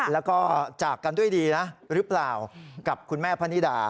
แล้วก็จากกันด้วยดีนะหรือเปล่ากับคุณแม่พะนิดา